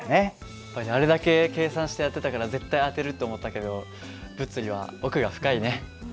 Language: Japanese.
やっぱやるだけ計算してやってたから絶対当てるって思ったけど物理は奥が深いね。